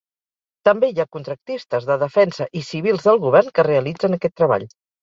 També hi ha contractistes de defensa i civils del govern que realitzen aquest treball.